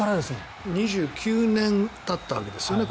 ２９年たったわけですよね。